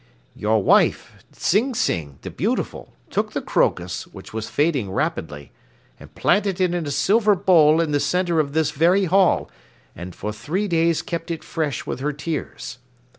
"Your wife, Tsing Tsing, the beautiful, took the crocus, which was fading rapidly, and planted it in a silver bowl in the center of this very hall and for three days kept it fresh with her tears.